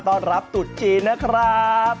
ต้อนรับตุดจีนนะครับ